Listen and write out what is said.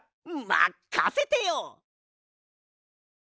まっかせてよ！